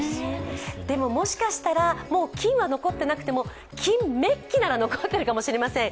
でも、もしかしたら、もう金は残っていなくても、金メッキなら残っているかもしれません。